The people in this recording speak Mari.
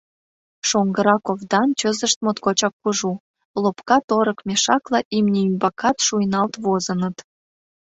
Шоҥгырак овдан чызышт моткочак кужу, лопка торык мешакла имне ӱмбакат шуйналт возыныт.